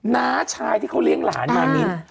น้าชายที่เขาเลี้ยงหลานอย่างนี้